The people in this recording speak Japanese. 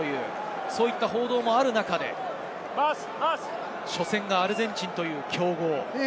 そういった報道もある中で初戦がアルゼンチンという強豪。